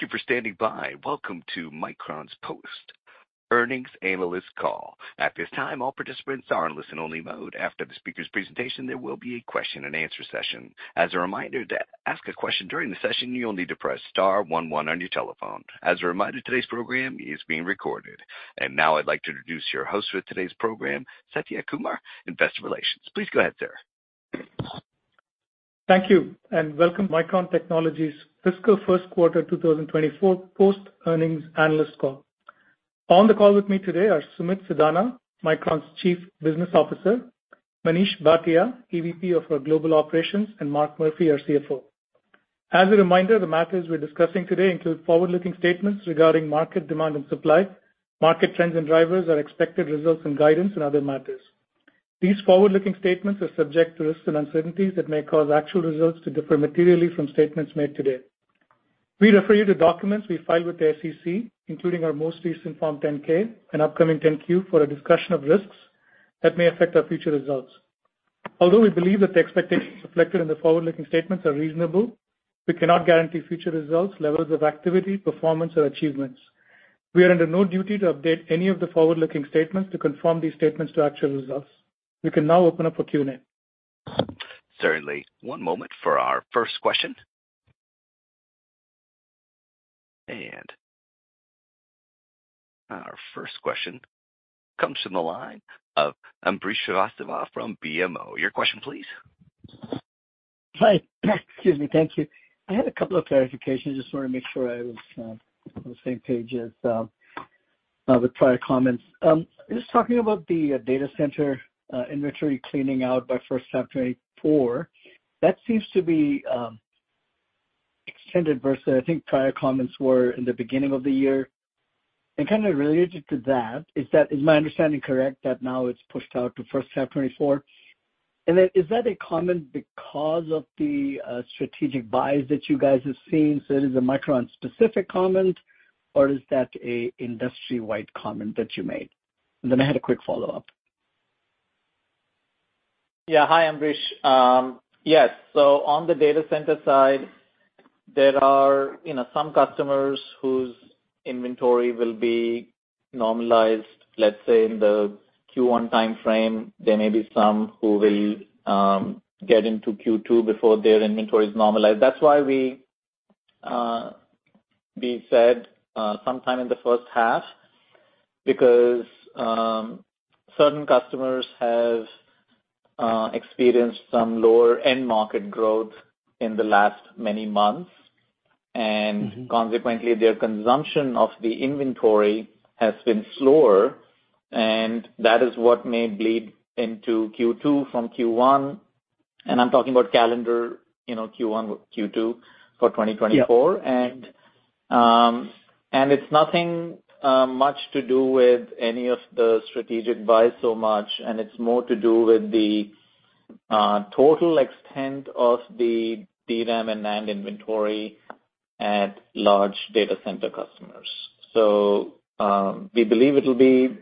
Thank you for standing by. Welcome to Micron's Post-Earnings Analyst Call. At this time, all participants are in listen-only mode. After the speaker's presentation, there will be a question-and-answer session. As a reminder, to ask a question during the session, you only need to press star 11 on your telephone. As a reminder, today's program is being recorded. Now I'd like to introduce your host for today's program, Satya Kumar, Investor Relations. Please go ahead, sir. Thank you. Welcome to Micron Technology's fiscal first quarter 2024 Post Earnings Analyst Call. On the call with me today are Sumit Sadana, Micron's Chief Business Officer, Manish Bhatia, EVP of our global operations, and Mark Murphy, our CFO. As a reminder, the matters we're discussing today include forward-looking statements regarding market demand and supply, market trends and drivers, our expected results, and guidance in other matters. These forward-looking statements are subject to risks and uncertainties that may cause actual results to differ materially from statements made today. We refer you to documents we filed with the SEC, including our most recent Form 10-K and upcoming 10-Q for a discussion of risks that may affect our future results. Although we believe that the expectations reflected in the forward-looking statements are reasonable, we cannot guarantee future results, levels of activity, performance, or achievements. We are under no duty to update any of the forward-looking statements to conform these statements to actual results. We can now open up for Q&A. Certainly. One moment for our first question. Our first question comes from the line of Ambrish Srivastava from BMO. Your question, please. Hi. Excuse me. Thank you. I had a couple of clarifications. Just wanted to make sure I was on the same page as with prior comments. Just talking about the data center inventory cleaning out by first half 2024, that seems to be extended versus, I think, prior comments were in the beginning of the year. And kind of related to that, is my understanding correct that now it's pushed out to first half 2024? And then is that a comment because of the strategic buys that you guys have seen? It is a Micron-specific comment, or is that an industry-wide comment that you made? And then I had a quick follow-up. Yeah. Hi, Ambrish. Yes. On the data center side, there are some customers whose inventory will be normalized, let's say, in the Q1 time frame. There may be some who will get into Q2 before their inventory is normalized. That's why we said sometime in the first half because certain customers have experienced some lower end-market growth in the last many months. And consequently, their consumption of the inventory has been slower. And that is what may bleed into Q2 from Q1. And I'm talking about calendar Q1, Q2 for 2024. And it's nothing much to do with any of the strategic buys so much. And it's more to do with the total extent of the DRAM and NAND inventory at large data center customers. So we believe it'll be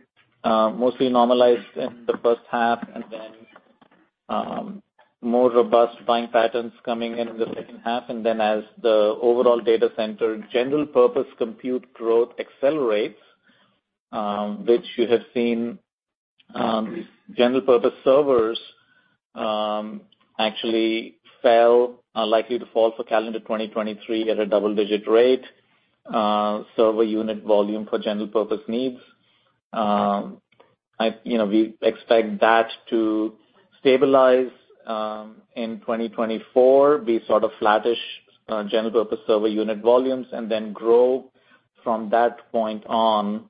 mostly normalized in the first half and then more robust buying patterns coming in the second half. Then as the overall data center general-purpose compute growth accelerates, which you have seen, these general-purpose servers actually are likely to fall for calendar 2023 at a double-digit rate, server unit volume for general-purpose needs. We expect that to stabilize in 2024, be sort of flattish general-purpose server unit volumes, and then grow from that point on.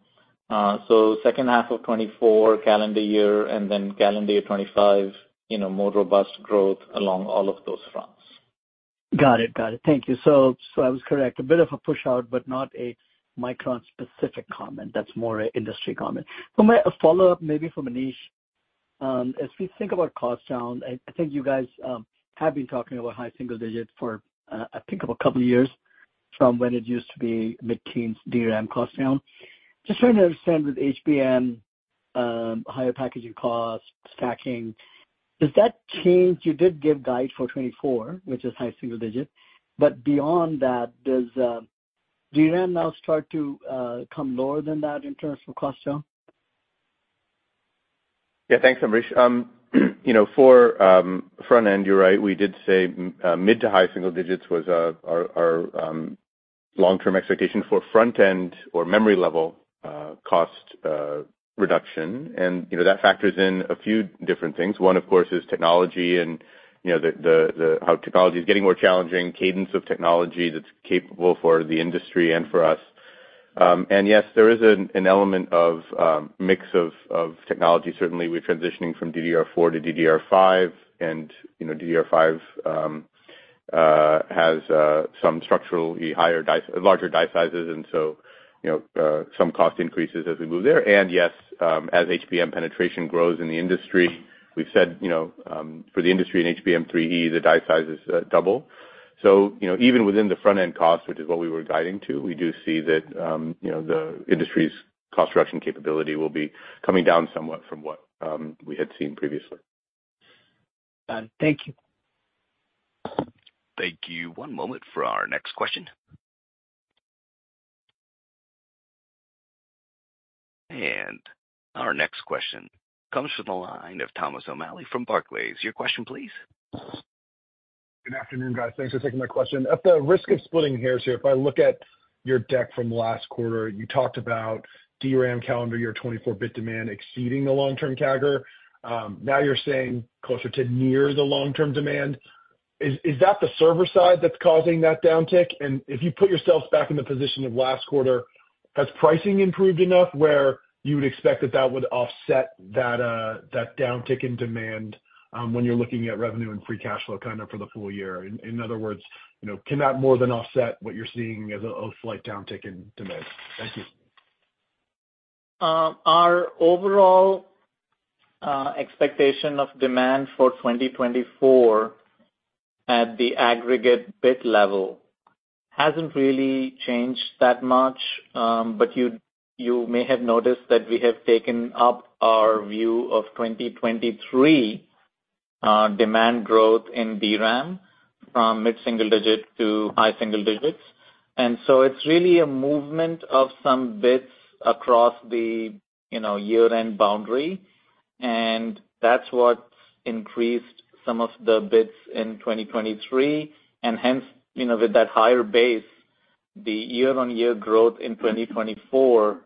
Second half of 2024, calendar year, and then calendar year 2025, more robust growth along all of those fronts. Got it. Got it. Thank you. So I was correct. A bit of a push-out, but not a Micron-specific comment. That's more an industry comment. For my follow-up, maybe for Manish, as we think about cost down, I think you guys have been talking about high single digits for, I think, a couple of years from when it used to be mid-teens DRAM cost down. Just trying to understand with HBM, higher packaging cost, stacking, does that change? You did give guide for 2024, which is high single digit. But beyond that, does DRAM now start to come lower than that in terms of cost down? Yeah. Thanks, Ambrish. For front-end, you're right. We did say mid to high single digits was our long-term expectation for front-end or memory-level cost reduction. And that factors in a few different things. One, of course, is technology and how technology is getting more challenging, cadence of technology that's capable for the industry and for us. And yes, there is an element of mix of technology, certainly. We're transitioning from DDR4 to DDR5. And DDR5 has some structurally larger die sizes, and so some cost increases as we move there. And yes, as HBM penetration grows in the industry, we've said for the industry in HBM3E, the die size is double. Even within the front-end cost, which is what we were guiding to, we do see that the industry's cost reduction capability will be coming down somewhat from what we had seen previously. Got it. Thank you. Thank you. One moment for our next question. Our next question comes from the line of Thomas O'Malley from Barclays. Your question, please. Good afternoon, guys. Thanks for taking my question. At the risk of splitting hairs here, if I look at your deck from last quarter, you talked about DRAM calendar year 2024 bit demand exceeding the long-term CAGR. Now you're saying closer to near the long-term demand. Is that the server side that's causing that downtick? And if you put yourselves back in the position of last quarter, has pricing improved enough where you would expect that that would offset that downtick in demand when you're looking at revenue and free cash flow kind of for the full year? In other words, can that more than offset what you're seeing as a slight downtick in demand? Thank you. Our overall expectation of demand for 2024 at the aggregate bit level hasn't really changed that much. But you may have noticed that we have taken up our view of 2023 demand growth in DRAM from mid-single digits to high-single digits. And so it's really a movement of some bits across the year-end boundary. And that's what increased some of the bits in 2023. Hence, with that higher base, the year-on-year growth in 2024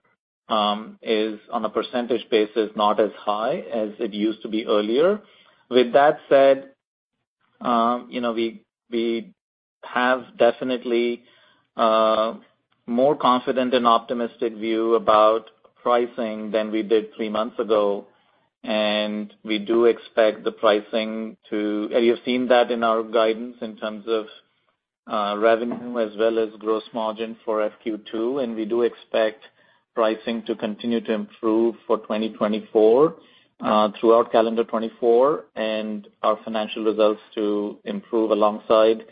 is, on a percentage basis, not as high as it used to be earlier. With that said, we have definitely a more confident and optimistic view about pricing than we did three months ago and we do expect the pricing to and you've seen that in our guidance in terms of revenue as well as gross margin for FQ2. We do expect pricing to continue to improve for 2024 throughout calendar 2024 and our financial results to improve alongside,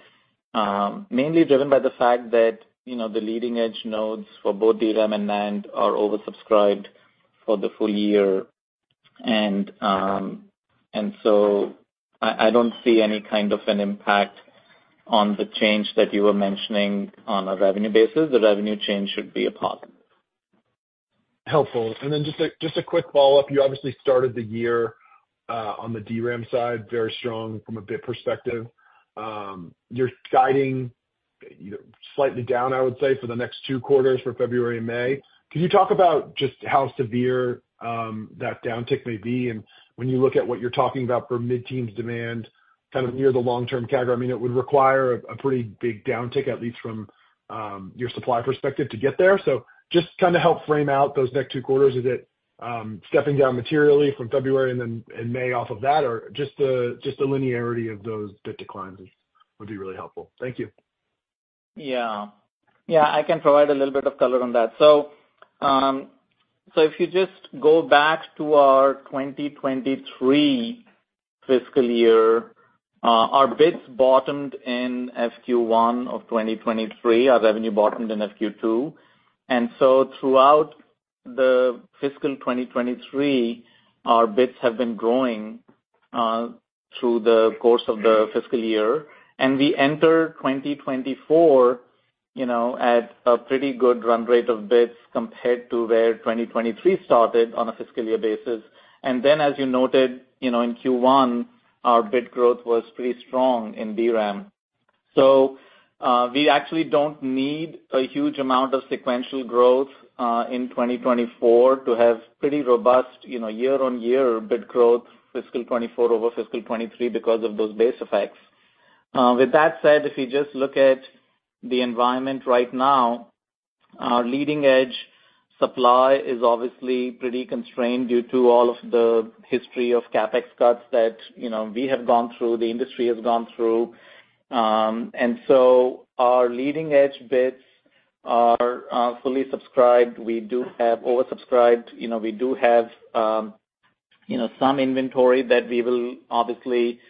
mainly driven by the fact that the leading-edge nodes for both DRAM and NAND are oversubscribed for the full year. And so I don't see any kind of an impact on the change that you were mentioning on a revenue basis. The revenue change should be a positive. Helpful. And then just a quick follow-up. You obviously started the year on the DRAM side very strong from a bit perspective. You're guiding slightly down, I would say, for the next two quarters for February and May. Could you talk about just how severe that downtick may be? And when you look at what you're talking about for mid-teens demand kind of near the long-term CAGR, I mean, it would require a pretty big downtick, at least from your supply perspective, to get there. So just kind of help frame out those next two quarters. Is it stepping down materially from February and then May off of that, or just the linearity of those bit declines would be really helpful? Thank you. Yeah. Yeah. I can provide a little bit of color on that. If you just go back to our 2023 fiscal year, our bits bottomed in FQ1 of 2023. Our revenue bottomed in FQ2, and so throughout the fiscal 2023, our bits have been growing through the course of the fiscal year. We enter 2024 at a pretty good run rate of bits compared to where 2023 started on a fiscal year basis, and then, as you noted, in Q1, our bit growth was pretty strong in DRAM. We actually don't need a huge amount of sequential growth in 2024 to have pretty robust year-on-year bit growth fiscal 2024 over fiscal 2023 because of those base effects. With that said, if you just look at the environment right now, our leading-edge supply is obviously pretty constrained due to all of the history of CapEx cuts that we have gone through, the industry has gone through. Our leading-edge bits are fully subscribed. We do have oversubscribed. We do have some inventory that we will obviously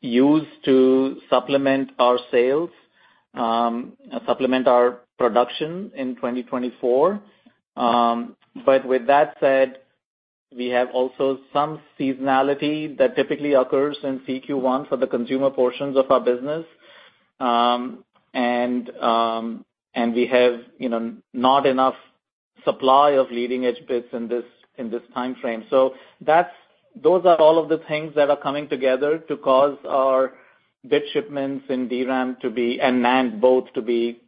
use to supplement our sales, supplement our production in 2024. With that said, we have also some seasonality that typically occurs in Q1 for the consumer portions of our business, and we have not enough supply of leading-edge bits in this time frame. Those are all of the things that are coming together to cause our bit shipments in DRAM and NAND both to be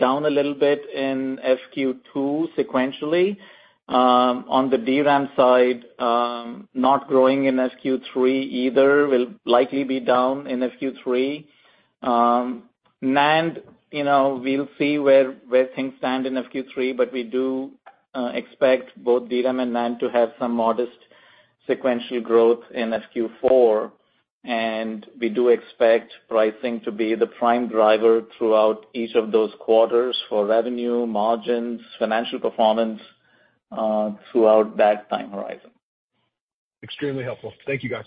down a little bit in FQ2 sequentially. On the DRAM side, not growing in FQ3 either, will likely be down in FQ3. NAND, we'll see where things stand in FQ3. But we do expect both DRAM and NAND to have some modest sequential growth in FQ4, and we do expect pricing to be the prime driver throughout each of those quarters for revenue, margins, financial performance throughout that time horizon. Extremely helpful. Thank you, guys.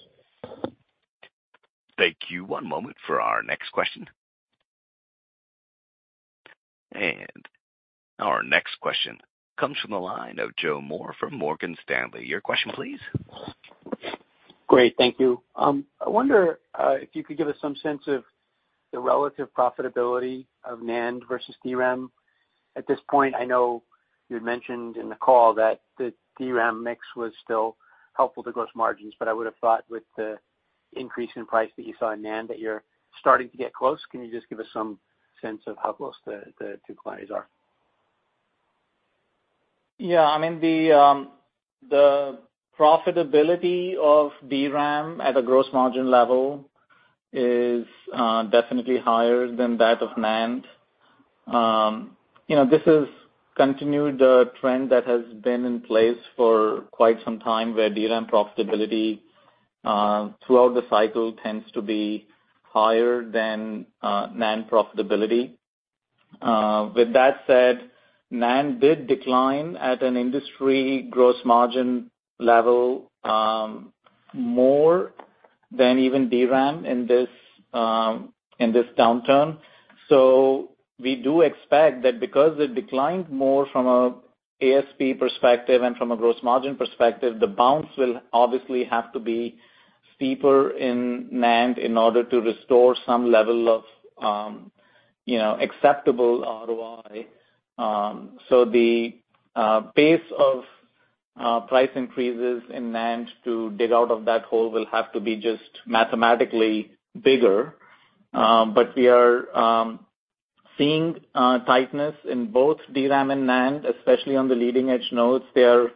Thank you. One moment for our next question. Our next question comes from the line of Joe Moore from Morgan Stanley. Your question, please. Great. Thank you. I wonder if you could give us some sense of the relative profitability of NAND versus DRAM. At this point, I know you had mentioned in the call that the DRAM mix was still helpful to gross margins. I would have thought with the increase in price that you saw in NAND that you're starting to get close. Can you just give us some sense of how close the two quantities are? Yeah. I mean, the profitability of DRAM at a gross margin level is definitely higher than that of NAND. This is continued trend that has been in place for quite some time where DRAM profitability throughout the cycle tends to be higher than NAND profitability. With that said, NAND did decline at an industry gross margin level more than even DRAM in this downturn. We do expect that because it declined more from an ASP perspective and from a gross margin perspective, the bounce will obviously have to be steeper in NAND in order to restore some level of acceptable ROI, so the pace of price increases in NAND to dig out of that hole will have to be just mathematically bigger. We are seeing tightness in both DRAM and NAND, especially on the leading-edge nodes. They are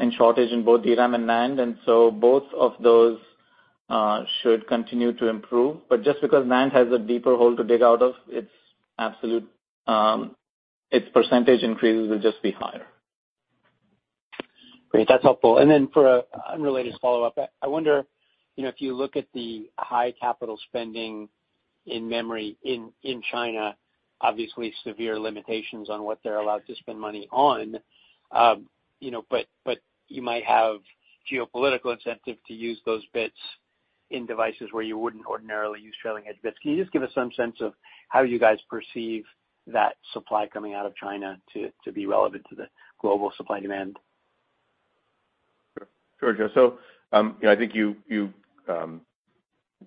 in shortage in both DRAM and NAND. Both of those should continue to improve. But just because NAND has a deeper hole to dig out of, its percentage increases will just be higher. Great. That's helpful. Then for an unrelated follow-up, I wonder if you look at the high capital spending in memory in China, obviously, severe limitations on what they're allowed to spend money on. But you might have geopolitical incentive to use those bits in devices where you wouldn't ordinarily use trailing-edge bits. Can you just give us some sense of how you guys perceive that supply coming out of China to be relevant to the global supply demand? Sure, sure, Joe. So I think you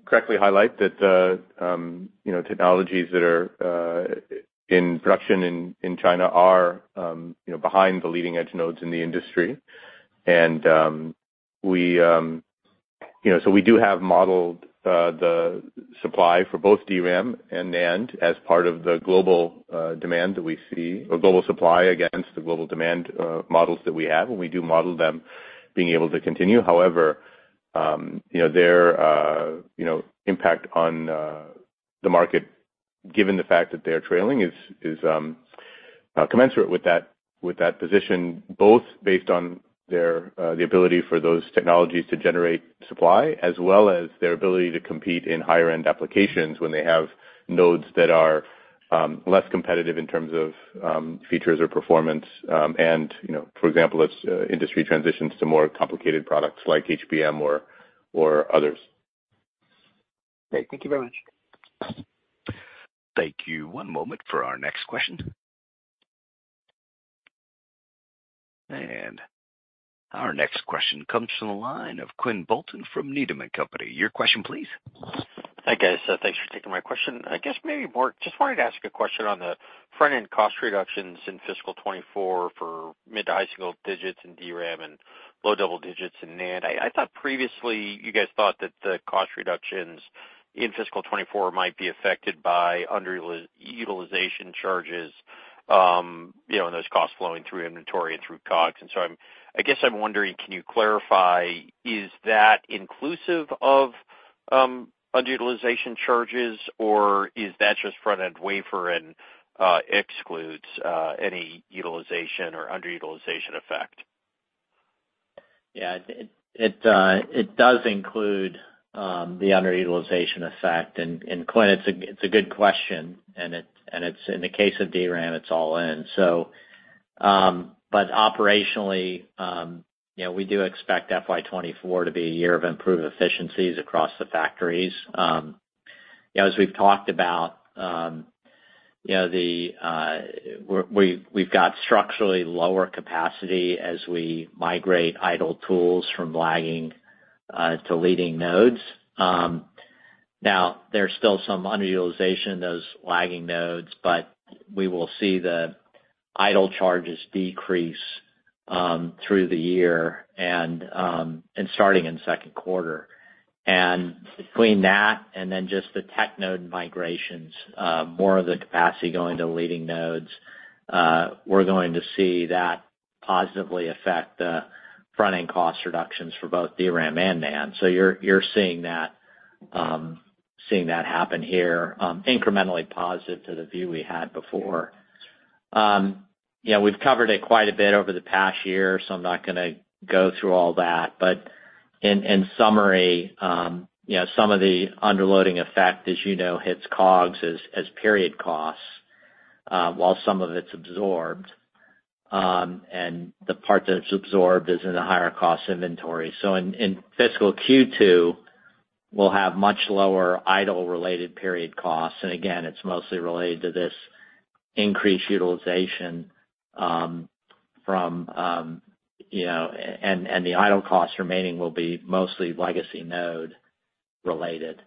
correctly highlight that technologies that are in production in China are behind the leading-edge nodes in the industry, and so we do have modeled the supply for both DRAM and NAND as part of the global demand that we see or global supply against the global demand models that we have. And we do model them being able to continue. However, their impact on the market, given the fact that they're trailing, is commensurate with that position, both based on the ability for those technologies to generate supply as well as their ability to compete in higher-end applications when they have nodes that are less competitive in terms of features or performance. For example, as industry transitions to more complicated products like HBM or others. Great. Thank you very much. Thank you. One moment for our next question. Our next question comes from the line of Quinn Bolton from Needham & Company. Your question, please. Hi guys. So thanks for taking my question. I guess maybe just wanted to ask a question on the front-end cost reductions in fiscal 2024 for mid- to high-single digits in DRAM and low double digits in NAND. I thought previously, you guys thought that the cost reductions in fiscal 2024 might be affected by underutilization charges and those costs flowing through inventory and through COGS. And so I guess I'm wondering, can you clarify, is that inclusive of underutilization charges, or is that just front-end wafer and excludes any utilization or underutilization effect? Yeah. It does include the underutilization effect. And Quinn, it's a good question. And in the case of DRAM, it's all in. But operationally, we do expect FY 2024 to be a year of improved efficiencies across the factories. As we've talked about, we've got structurally lower capacity as we migrate idle tools from lagging to leading nodes. Now, there's still some underutilization in those lagging nodes. But we will see the idle charges decrease through the year and starting in second quarter. And between that and then just the tech node migrations, more of the capacity going to leading nodes, we're going to see that positively affect the front-end cost reductions for both DRAM and NAND. So you're seeing that happen here, incrementally positive to the view we had before. We've covered it quite a bit over the past year. So I'm not going to go through all that. But in summary, some of the underloading effect, as you know, hits COGS as period costs while some of it's absorbed, and the part that's absorbed is in the higher-cost inventory. In fiscal Q2, we'll have much lower idle-related period costs. Again, it's mostly related to this increased utilization from and the idle costs remaining will be mostly legacy node-related.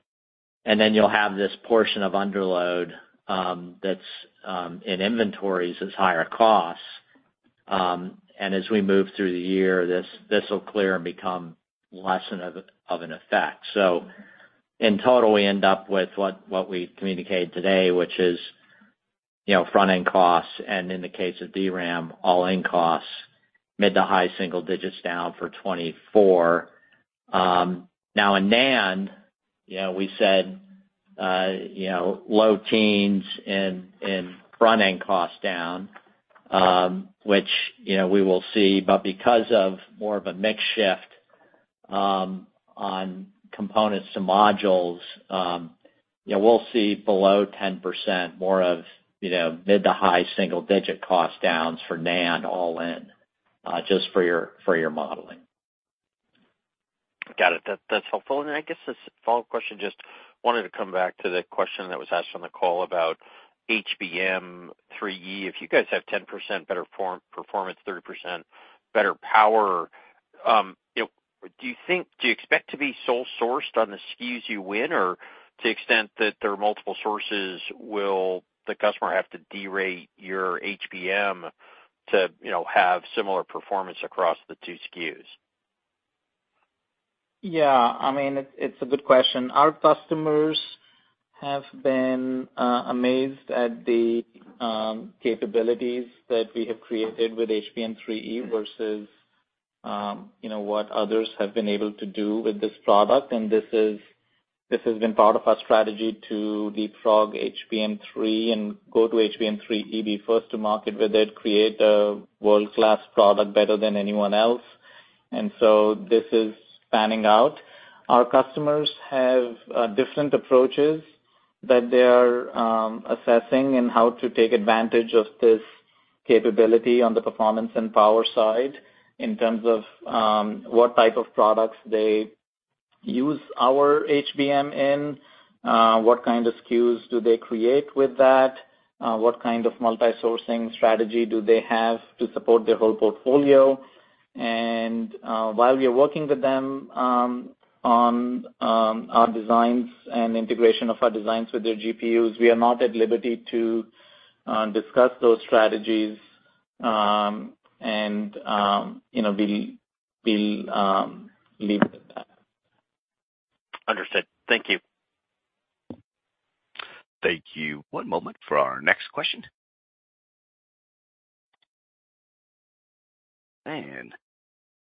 Then you'll have this portion of underload that's in inventories as higher costs. And as we move through the year, this will clear and become less of an effect. So in total, we end up with what we communicated today, which is front-end costs and, in the case of DRAM, all-in costs, mid to high single digits down for 2024. Now, in NAND, we said low teens in front-end costs down, which we will see. But because of more of a mix shift on components to modules, we'll see below 10% more of mid to high single-digit cost downs for NAND all-in just for your modeling. Got it. That's helpful. And then I guess this follow-up question, just wanted to come back to the question that was asked on the call about HBM3E. If you guys have 10% better performance, 30% better power, do you expect to be sole-sourced on the SKUs you win, or to the extent that there are multiple sources, will the customer have to derate your HBM to have similar performance across the two SKUs? Yeah. I mean, it's a good question. Our customers have been amazed at the capabilities that we have created with HBM3E versus what others have been able to do with this product, and this has been part of our strategy to de-risk HBM3 and go to HBM3E, be first to market with it, create a world-class product better than anyone else, and this is panning out. Our customers have different approaches that they are assessing in how to take advantage of this capability on the performance and power side in terms of what type of products they use our HBM in, what kind of SKUs do they create with that, what kind of multi-sourcing strategy do they have to support their whole portfolio. While we are working with them on our designs and integration of our designs with their GPUs, we are not at liberty to discuss those strategies. We'll leave it at that. Understood. Thank you. Thank you. One moment for our next question.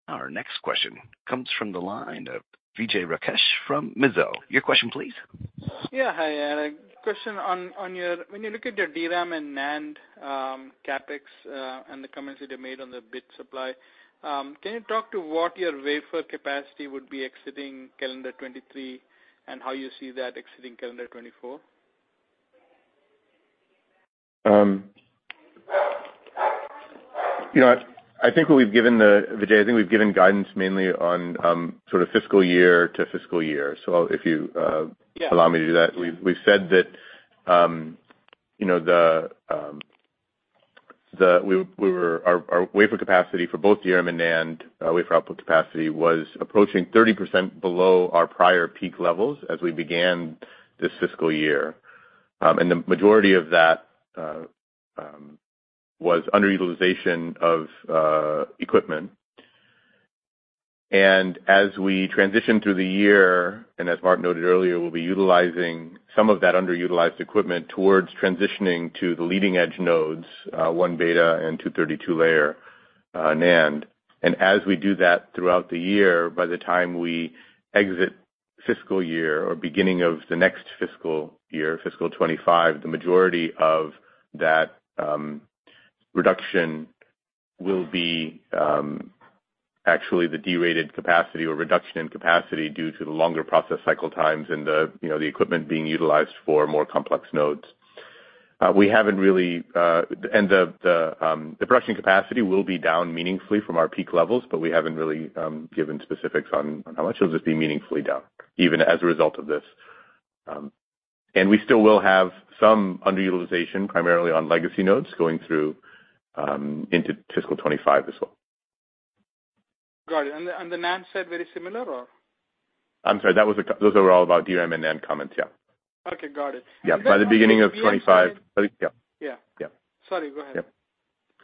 Our next question comes from the line of Vijay Rakesh from Mizuho Securities. Your question, please. Yeah. Hi, and a question on your when you look at your DRAM and NAND CapEx and the comments that you made on the bit supply, can you talk to what your wafer capacity would be exiting calendar 2023 and how you see that exiting calendar 2024? I think what we've given the Vijay, I think we've given guidance mainly on sort of fiscal year to fiscal year. If you allow me to do that, we've said that our wafer capacity for both DRAM and NAND wafer output capacity was approaching 30% below our prior peak levels as we began this fiscal year. The majority of that was underutilization of equipment. As we transition through the year and as Mark noted earlier, we'll be utilizing some of that underutilized equipment towards transitioning to the leading-edge nodes, 1-beta and 232-layer NAND. As we do that throughout the year, by the time we exit fiscal year or beginning of the next fiscal year, fiscal 2025, the majority of that reduction will be actually the derated capacity or reduction in capacity due to the longer process cycle times and the equipment being utilized for more complex nodes. We haven't really and the production capacity will be down meaningfully from our peak levels. We haven't really given specifics on how much. It'll just be meaningfully down even as a result of this. We still will have some underutilization, primarily on legacy nodes, going through into fiscal 2025 as well. Got it. And the NAND said very similar, or? I'm sorry. Those were all about DRAM and NAND comments. Yeah. Okay. Got it. Yeah. By the beginning of 2025, yeah. Yeah. Sorry. Go ahead.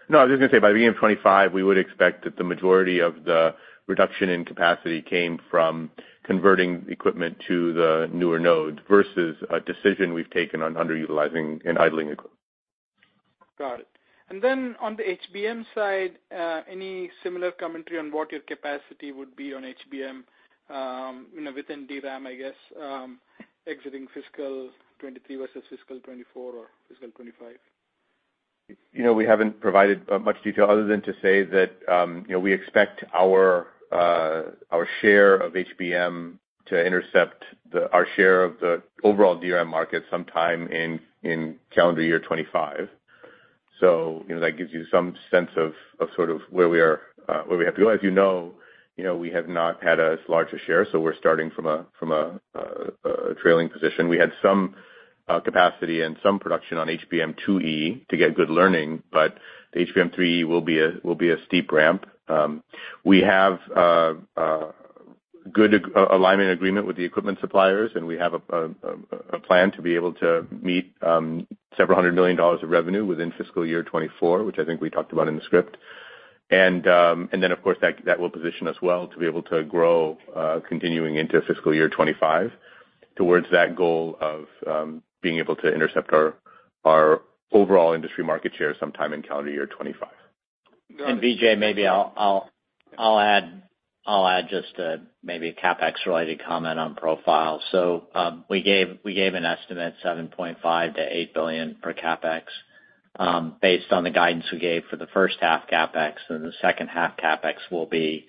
No, I was just going to say, by the beginning of 2025, we would expect that the majority of the reduction in capacity came from converting equipment to the newer nodes versus a decision we've taken on underutilizing and idling equipment. Got it. Then on the HBM side, any similar commentary on what your capacity would be on HBM within DRAM, I guess, exiting fiscal 2023 versus fiscal 2024 or fiscal 2025? We haven't provided much detail other than to say that we expect our share of HBM to intercept our share of the overall DRAM market sometime in calendar year 2025. That gives you some sense of sort of where we have to go. As you know, we have not had as large a share. So we're starting from a trailing position. We had some capacity and some production on HBM2E to get good learning. But the HBM3E will be a steep ramp. We have good alignment agreement with the equipment suppliers, and we have a plan to be able to meet $several hundred million of revenue within fiscal year 2024, which I think we talked about in the script. Then, of course, that will position us well to be able to grow continuing into fiscal year 2025 towards that goal of being able to intercept our overall industry market share sometime in calendar year 2025. Vijay, maybe I'll add just maybe a CapEx-related comment on profile. We gave an estimate, $7.5 billion-$8 billion per CapEx based on the guidance we gave for the first-half CapEx. The second-half CapEx will be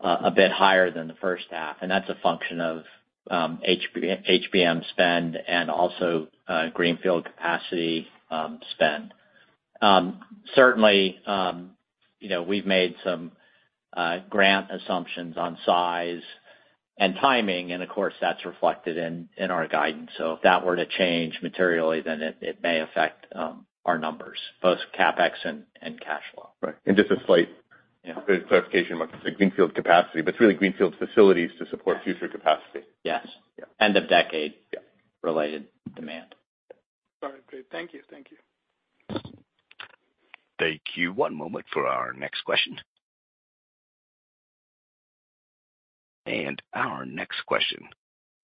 a bit higher than the first-half. That's a function of HBM spend and also greenfield capacity spend. Certainly, we've made some grant assumptions on size and timing. Of course, that's reflected in our guidance. If that were to change materially, then it may affect our numbers, both CapEx and cash flow. Right. Just a slight clarification amongst us, greenfield capacity, but it's really greenfield facilities to support future capacity. Yes. End-of-decade related demand. All right. Great. Thank you. Thank you. Thank you. One moment for our next question. Our next question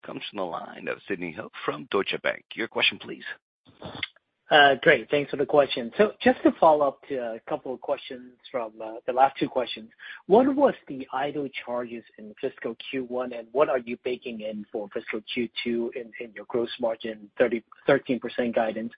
comes from the line of Sidney Ho from Deutsche Bank. Your question, please. Great. Thanks for the question. So just to follow up to a couple of questions from the last two questions, what was the idle charges in fiscal Q1? And what are you baking in for fiscal Q2 in your gross margin 13% guidance?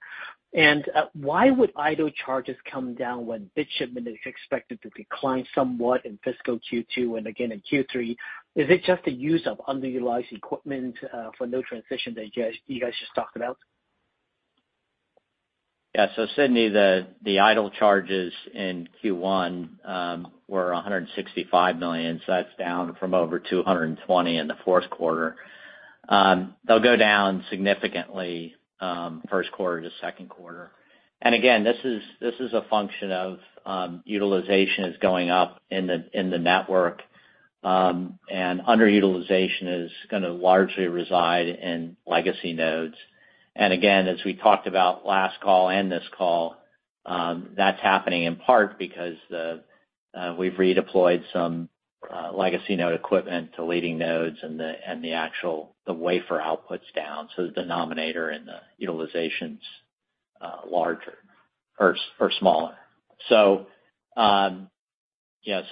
Why would idle charges come down when bit shipment is expected to decline somewhat in fiscal Q2 and again in Q3? Is it just the use of underutilized equipment for no transition that you guys just talked about? Yeah. Sidney, the idle charges in Q1 were $165 million, that's down from over $220 million in the fourth quarter. They'll go down significantly first quarter to second quarter. Again, this is a function of utilization is going up in the network, and underutilization is going to largely reside in legacy nodes. Again, as we talked about last call and this call, that's happening in part because we've redeployed some legacy node equipment to leading nodes, and the wafer output's down. So the denominator in the utilization's larger or smaller.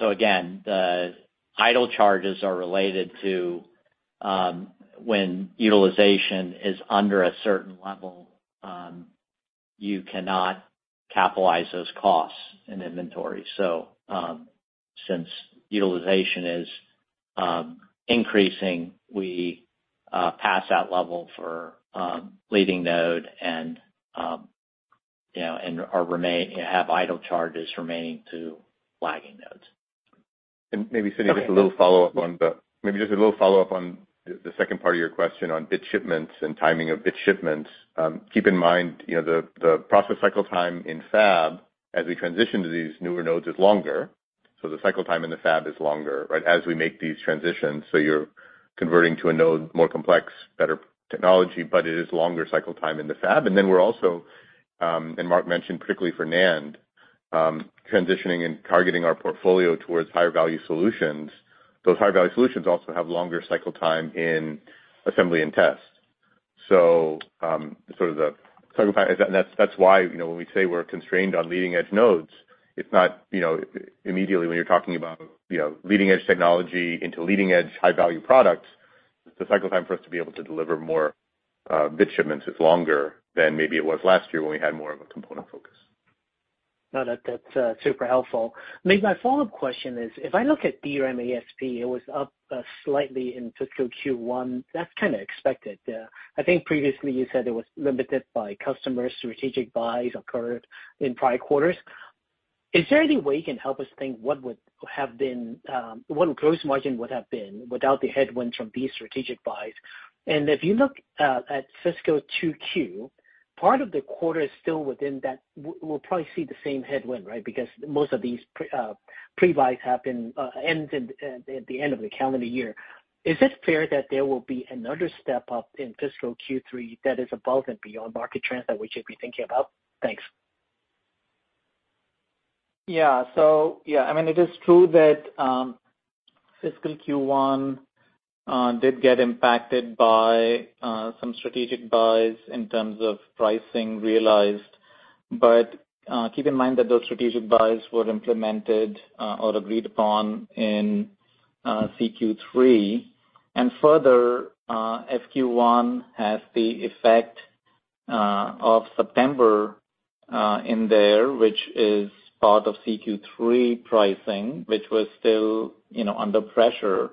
Again, the idle charges are related to when utilization is under a certain level, you cannot capitalize those costs in inventory. Since utilization is increasing, we pass that level for leading node and have idle charges remaining to lagging nodes. Maybe Sidney, just a little follow-up on the second part of your question on bit shipments and timing of bit shipments. Keep in mind the process cycle time in fab as we transition to these newer nodes is longer. The cycle time in the fab is longer, right, as we make these transitions, so you're converting to a node more complex, better technology. But it is longer cycle time in the fab. And then we're also, as Mark mentioned, particularly for NAND, transitioning and targeting our portfolio towards higher-value solutions. Those higher-value solutions also have longer cycle time in assembly and test. So sort of the cycle time and that's why when we say we're constrained on leading-edge nodes, it's not immediately when you're talking about leading-edge technology into leading-edge high-value products, the cycle time for us to be able to deliver more bit shipments is longer than maybe it was last year when we had more of a component focus. No, that's super helpful. I mean, my follow-up question is, if I look at DRAM ASP, it was up slightly in fiscal Q1. That's kind of expected. I think previously, you said it was limited by customers. Strategic buys occurred in prior quarters. Is there any way you can help us think what would have been gross margin would have been without the headwinds from these strategic buys? If you look at fiscal 2Q, part of the quarter is still within that, we'll probably see the same headwind, right, because most of these pre-buys end at the end of the calendar year. Is it fair that there will be another step up in fiscal Q3 that is above and beyond market trends that we should be thinking about? Thanks. Yeah, it is true that fiscal Q1 did get impacted by some strategic buys in terms of pricing realized. But keep in mind that those strategic buys were implemented or agreed upon in CQ3. Further, FQ1 has the effect of September in there, which is part of CQ3 pricing, which was still under pressure.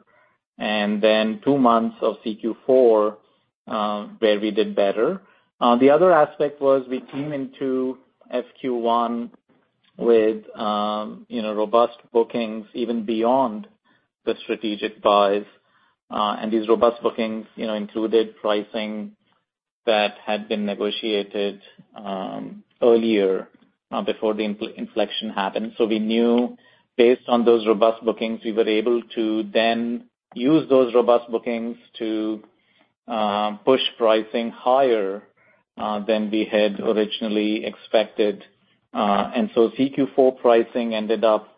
Then two months of CQ4 where we did better. The other aspect was we came into FQ1 with robust bookings even beyond the strategic buys. And these robust bookings included pricing that had been negotiated earlier before the inflection happened. So we knew based on those robust bookings, we were able to then use those robust bookings to push pricing higher than we had originally expected. And so CQ4 pricing ended up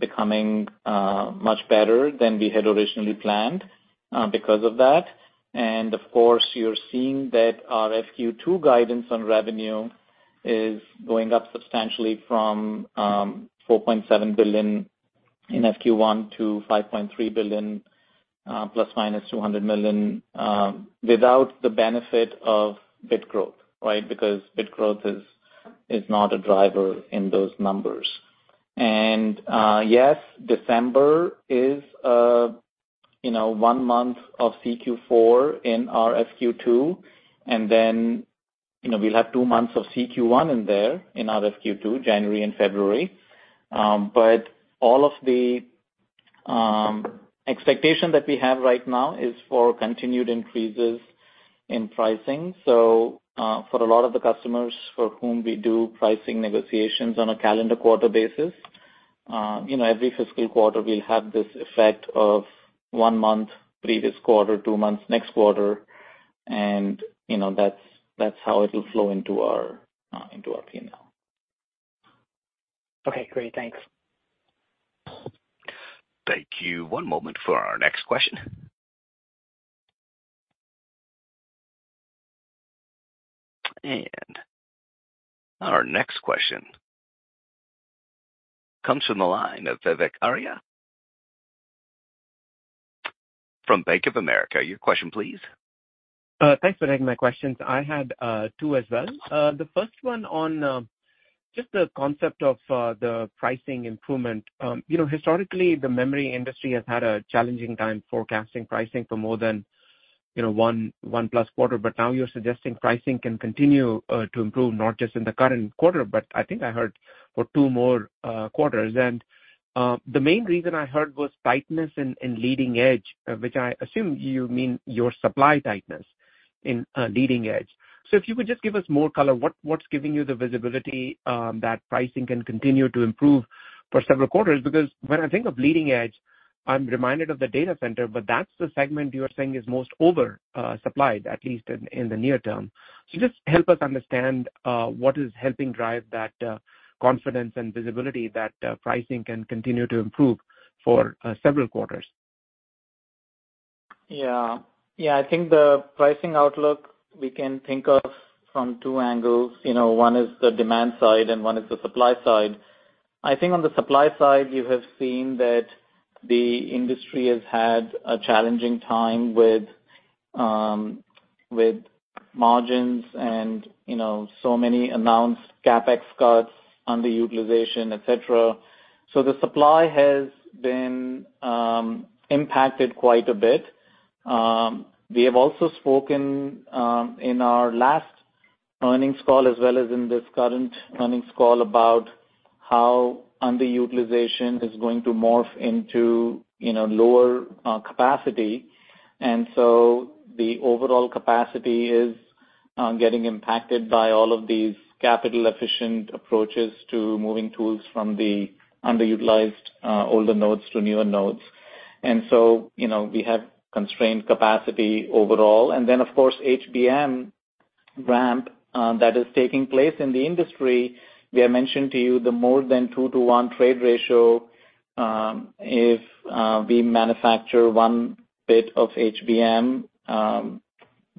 becoming much better than we had originally planned because of that. Of course, you're seeing that our FQ2 guidance on revenue is going up substantially from $4.7 billion in FQ1 to $5.3 billion ±$200 million without the benefit of bit growth, right, because bit growth is not a driver in those numbers. Yes, December is one month of CQ4 in our FQ2. Then we'll have two months of CQ1 in there in our FQ2, January and February. But all of the expectation that we have right now is for continued increases in pricing. For a lot of the customers for whom we do pricing negotiations on a calendar quarter basis, every fiscal quarter, we'll have this effect of one month previous quarter, two months next quarter. That's how it'll flow into our P&L. Okay. Great. Thanks. Thank you. One moment for our next question. Our next question comes from the line of Vivek Arya from Bank of America. Your question, please. Thanks for taking my questions. I had two as well. The first one on just the concept of the pricing improvement. Historically, the memory industry has had a challenging time forecasting pricing for more than 1+ quarter. But now you're suggesting pricing can continue to improve not just in the current quarter, but I think I heard for 2 more quarters. And the main reason I heard was tightness in leading edge, which I assume you mean your supply tightness in leading edge. So if you could just give us more color, what's giving you the visibility that pricing can continue to improve for several quarters? Because when I think of leading edge, I'm reminded of the data center. But that's the segment you are saying is most oversupplied, at least in the near term. So just help us understand what is helping drive that confidence and visibility that pricing can continue to improve for several quarters? Yeah. Yeah. I think the pricing outlook, we can think of from two angles. One is the demand side. One is the supply side. I think on the supply side, you have seen that the industry has had a challenging time with margins and so many announced CapEx cuts, underutilization, etc. So the supply has been impacted quite a bit. We have also spoken in our last earnings call as well as in this current earnings call about how underutilization is going to morph into lower capacity. So the overall capacity is getting impacted by all of these capital-efficient approaches to moving tools from the underutilized older nodes to newer nodes. So we have constrained capacity overall. And then, of course, HBM ramp that is taking place in the industry. We have mentioned to you the more than 2-to-1 trade ratio. If we manufacture 1 bit of HBM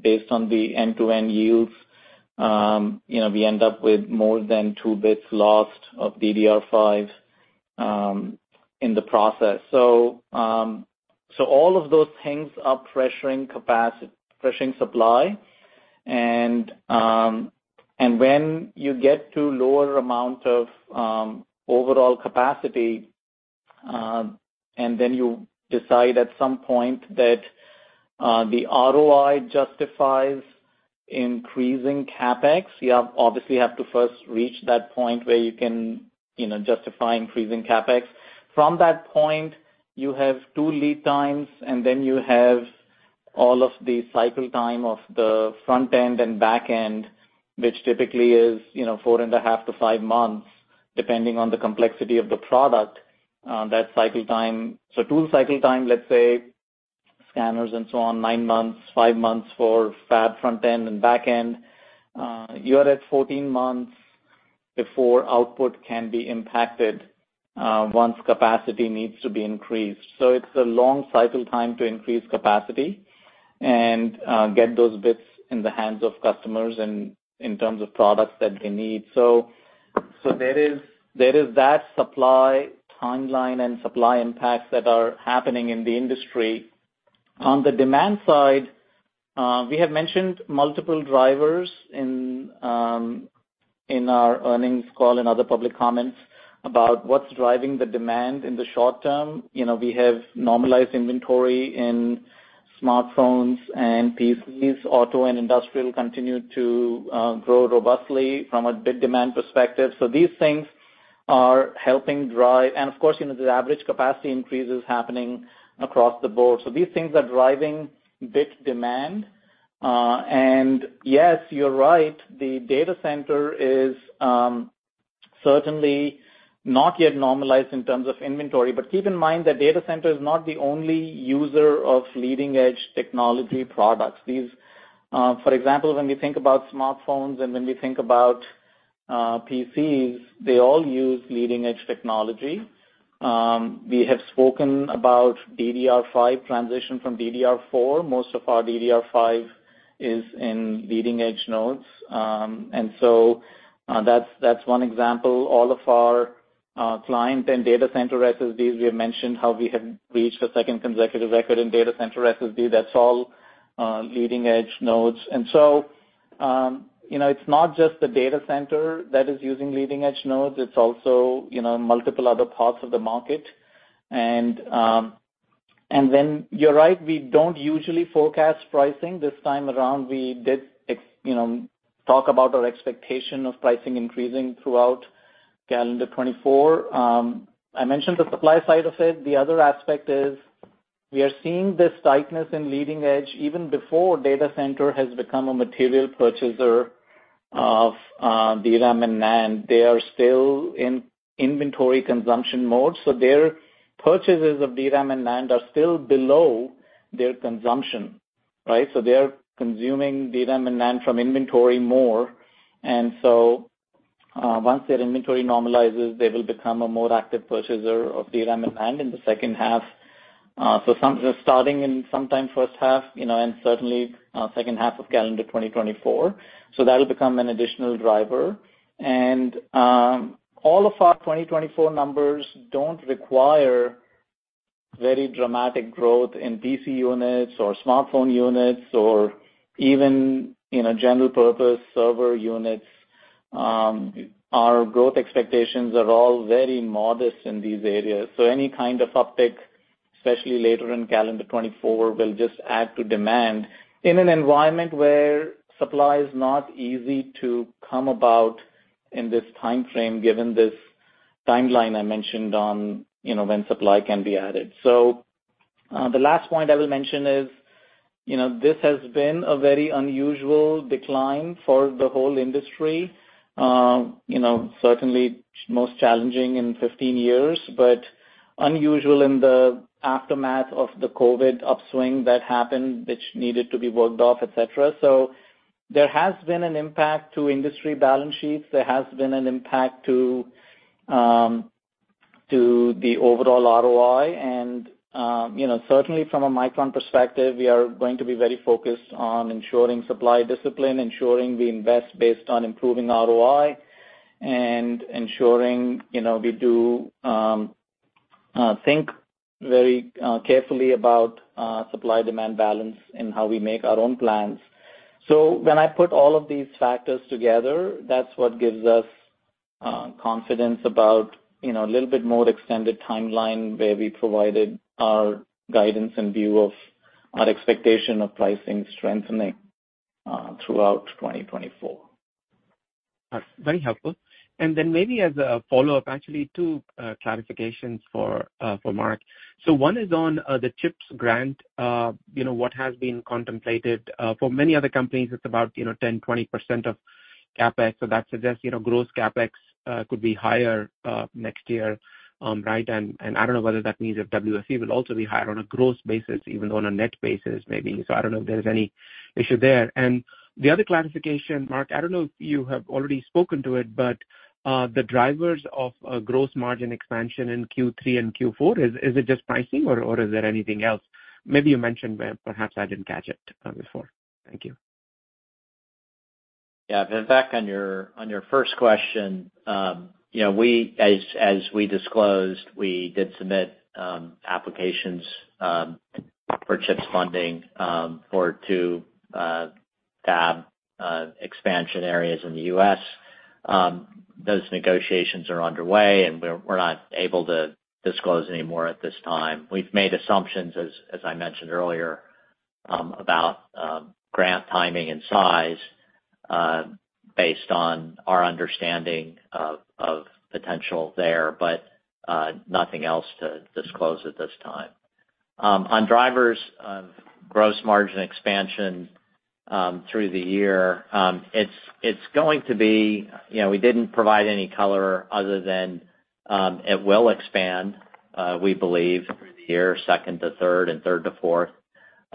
based on the end-to-end yields, we end up with more than 2 bits lost of DDR5 in the process. So all of those things are pressuring supply. And when you get to lower amount of overall capacity and then you decide at some point that the ROI justifies increasing CapEx, you obviously have to first reach that point where you can justify increasing CapEx. From that point, you have 2 lead times. And then you have all of the cycle time of the front end and back end, which typically is 4.5-5 months depending on the complexity of the product. So tool cycle time, let's say scanners and so on, 9 months, 5 months for fab front end and back end. You are at 14 months before output can be impacted once capacity needs to be increased. So it's a long cycle time to increase capacity and get those bits in the hands of customers in terms of products that they need. So there is that supply timeline and supply impacts that are happening in the industry. On the demand side, we have mentioned multiple drivers in our earnings call and other public comments about what's driving the demand in the short term. We have normalized inventory in smartphones and PCs. Auto and industrial continue to grow robustly from a bit demand perspective. So these things are helping drive and of course, the average capacity increase is happening across the board. So these things are driving bit demand. And yes, you're right. The data center is certainly not yet normalized in terms of inventory. But keep in mind that data center is not the only user of leading-edge technology products. For example, when we think about smartphones and when we think about PCs, they all use leading-edge technology. We have spoken about DDR5 transition from DDR4. Most of our DDR5 is in leading-edge nodes. And so that's one example. All of our client and data center SSDs, we have mentioned how we have reached a second consecutive record in data center SSD. That's all leading-edge nodes. And so it's not just the data center that is using leading-edge nodes. It's also multiple other parts of the market. And then you're right. We don't usually forecast pricing. This time around, we did talk about our expectation of pricing increasing throughout calendar 2024. I mentioned the supply side of it. The other aspect is we are seeing this tightness in leading edge even before data center has become a material purchaser of DRAM and NAND. They are still in inventory consumption mode. So their purchases of DRAM and NAND are still below their consumption, right? So they are consuming DRAM and NAND from inventory more. And so once their inventory normalizes, they will become a more active purchaser of DRAM and NAND in the second half so starting in sometime first half and certainly second half of calendar 2024. So that'll become an additional driver. And all of our 2024 numbers don't require very dramatic growth in PC units or smartphone units or even general-purpose server units. Our growth expectations are all very modest in these areas. So any kind of uptick, especially later in calendar 2024, will just add to demand in an environment where supply is not easy to come about in this time frame given this timeline I mentioned on when supply can be added. So the last point I will mention is this has been a very unusual decline for the whole industry, certainly most challenging in 15 years, but unusual in the aftermath of the COVID upswing that happened, which needed to be worked off, etc. So there has been an impact to industry balance sheets. There has been an impact to the overall ROI. And certainly, from a Micron perspective, we are going to be very focused on ensuring supply discipline, ensuring we invest based on improving ROI, and ensuring we do think very carefully about supply-demand balance in how we make our own plans. So when I put all of these factors together, that's what gives us confidence about a little bit more extended timeline where we provided our guidance and view of our expectation of pricing strengthening throughout 2024. Very helpful. And then maybe as a follow-up, actually, two clarifications for Mark. So one is on the CHIPS grant, what has been contemplated. For many other companies, it's about 10%-20% of CapEx. So that suggests gross CapEx could be higher next year, right? And I don't know whether that means if WFE will also be higher on a gross basis even though on a net basis maybe. So I don't know if there's any issue there. And the other clarification, Mark, I don't know if you have already spoken to it, but the drivers of gross margin expansion in Q3 and Q4, is it just pricing, or is there anything else? Maybe you mentioned where perhaps I didn't catch it before. Thank you. Yeah. Vivek on your first question. As we disclosed, we did submit applications for CHIPS funding for two fab expansion areas in the U.S. Those negotiations are underway. We're not able to disclose any more at this time. We've made assumptions, as I mentioned earlier, about grant timing and size based on our understanding of potential there, but nothing else to disclose at this time. On drivers of gross margin expansion through the year, it's going to be we didn't provide any color other than it will expand, we believe, through the year, second to third and third to fourth.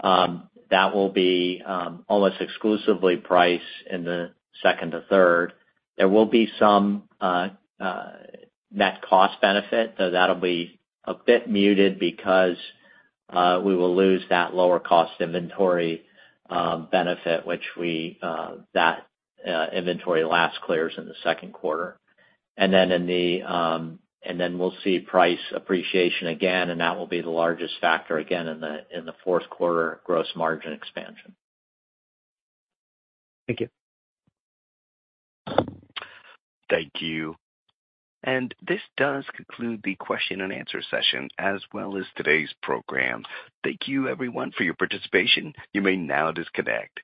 That will be almost exclusively priced in the second to third. There will be some net cost benefit. Though that'll be a bit muted because we will lose that lower-cost inventory benefit, which that inventory last clears in the second quarter. And then we'll see price appreciation again. And that will be the largest factor again in the fourth quarter gross margin expansion. Thank you. Thank you. This does conclude the question-and-answer session as well as today's program. Thank you, everyone, for your participation. You may now disconnect.